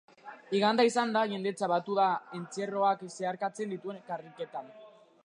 Igandea izanda, jendetza batu da entzierroak zeharkatzen dituen karriketan.